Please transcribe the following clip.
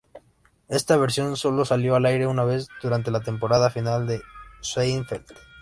Esta versión solo salió al aire una vez, durante la temporada final de "Seinfeld".